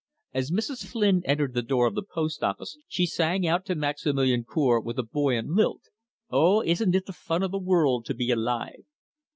As Mrs. Flynn entered the door of the post office she sang out to Maximilian Cour, with a buoyant lilt: "Oh, isn't it the fun o' the world to be alive!"